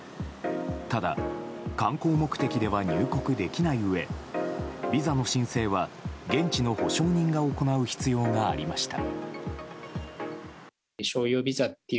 ただ、観光目的では入国できないうえビザの申請は、現地の保証人が行う必要がありました。